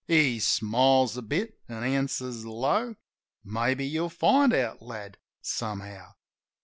He smiles a bit an' answers low, "Maybe you'll find out, lad, somehow.